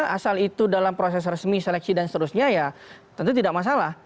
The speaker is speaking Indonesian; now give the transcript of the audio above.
asal itu dalam proses resmi seleksi dan seterusnya ya tentu tidak masalah